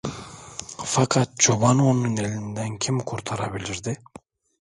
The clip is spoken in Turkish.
Fakat çobanı onun elinden kim kurtarabilirdi?